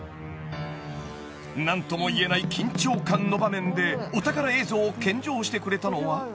［何とも言えない緊張感の場面でお宝映像を献上してくれたのは］